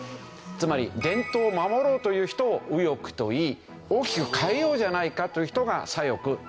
つまり伝統を守ろうという人を右翼といい大きく変えようじゃないかという人が左翼と。